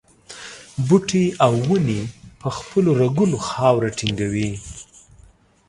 بوټي او ونې په خپلو رګونو خاوره ټینګوي.